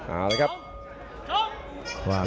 เอาละครับ